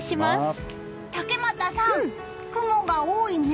竹俣さん、雲が多いね。